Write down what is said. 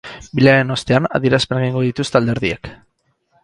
Bileraren ostean, adierazpenak egingo dituzte alderdiek.